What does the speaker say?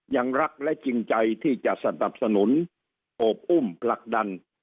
ยังรักและจริงใจที่จะสนับสนุนโอบอุ้มผลักดัน